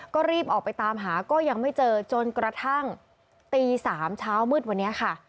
ก็รีบออกไปตามหาก็ยังไม่เจอจนกระทั่งตี๓เช้ามืดวันนี้ค่ะ